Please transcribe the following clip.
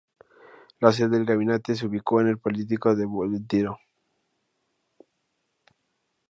La sede del Gabinete se ubicó en el palacio del Buen Retiro.